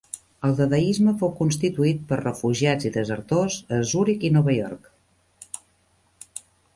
El dadaisme fou constituït per refugiats i desertors a Zúric i Nova York.